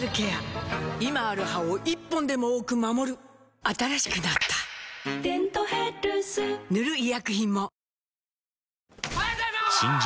今ある歯を１本でも多く守る新しくなった「デントヘルス」塗る医薬品も